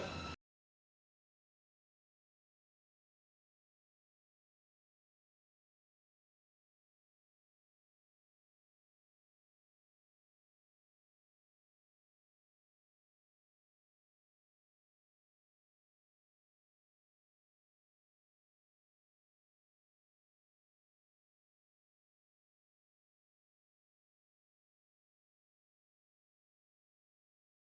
aku mau ke bukit nusa